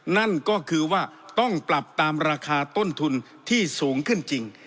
นั่นก็คือว่าต้องปรับตามราคาต้นทุนที่สูงขึ้นจริง